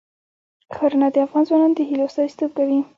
ښارونه د افغان ځوانانو د هیلو استازیتوب کوي.